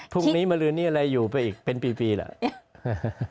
พรุ่งนี้มาลืนนี้อะไรอยู่ไปอีกเป็นปีแล้ว